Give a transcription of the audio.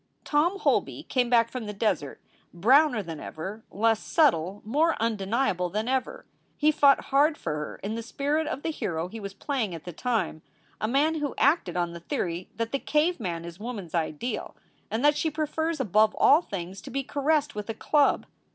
Tom Holby came back from the desert browner than ever, less subtle, more undeniable than ever. He fought hard for her in the spirit of the hero he was playing at the time, a man who acted on the theory that the cave man is woman s ideal and that she prefers above all things to be caressed with a club.